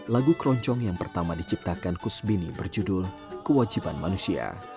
lagu keroncong yang pertama diciptakan kusbini berjudul kewajiban manusia